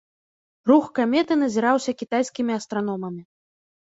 Рух каметы назіраўся кітайскімі астраномамі.